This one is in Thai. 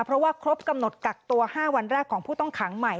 เพราะว่าครบกำหนดกักตัว๕วันแรกของผู้ต้องขังใหม่